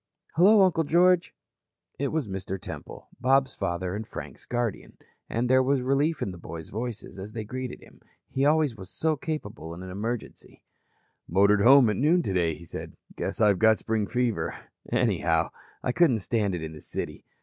"Hello, Uncle George." It was Mr. Temple, Bob's father and Frank's guardian, and there was relief in the boys' voices as they greeted him. He always was so capable in an emergency. "Motored home at noon today," he said. "Guess I've got spring fever. Anyhow, I couldn't stand it in the city.